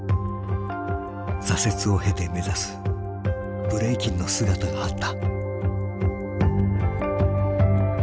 挫折を経て目指すブレイキンの姿があった。